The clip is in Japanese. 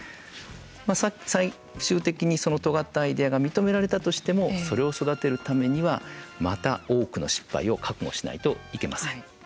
最終的にそのとがったアイデアが認められたとしてもそれを育てるためにはまた多くの失敗を覚悟しないといけません。